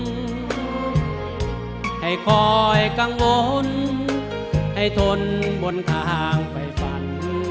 ให้คอยกังวลให้ทนบนทางไฟฝัน